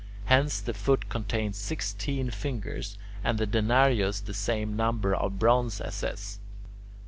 Hence the foot contains sixteen fingers, and the denarius the same number of bronze asses.